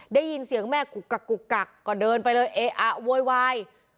ได้ยินเสียงแม่กุกกักกุกกักก็เดินไปเลยเออะโวยวาย